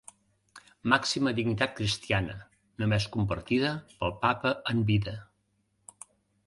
Màxima dignitat cristiana, només compartida pel Papa en vida.